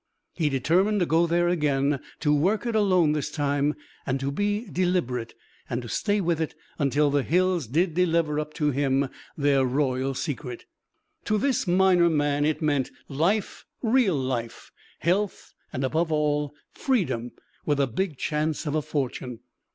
He determined to go there again, to work it alone this time, and to be deliberate and to stay with it until the hills did deliver up to him their royal secret. To this miner man it meant life, real life, health and above all, freedom, with a big chance of a fortune.